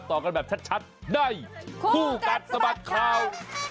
ต่อกันแบบชัดในคู่กัดสะบัดข่าว